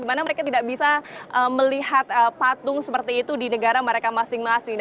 dimana mereka tidak bisa melihat patung seperti itu di negara mereka masing masing